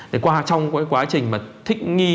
trong quá trình thích nghi